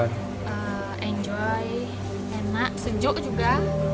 enjoy enak sejuk juga